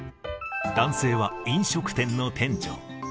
男性は飲食店の店長。